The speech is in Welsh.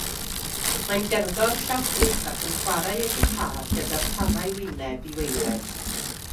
Mae'n gerddor llaw chwith ac yn chwarae ei gitâr gyda'r tannau wyneb i waered.